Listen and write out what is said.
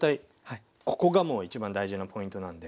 ここがもう一番大事なポイントなんで。